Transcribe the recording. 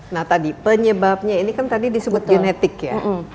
nah tadi penyebabnya ini kan tadi disebut genetik ya